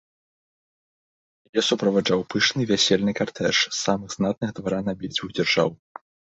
Яе суправаджаў пышны вясельны картэж з самых знатных дваран абедзвюх дзяржаў.